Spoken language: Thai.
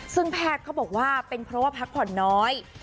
ซึ่งแพทย์เขาบอกว่าเป็นเพราะว่าพักผ่อนน้อย